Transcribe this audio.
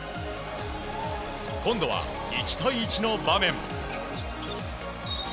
今度は１対１の場面。